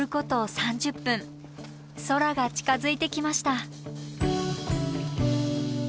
３０分空が近づいてきました。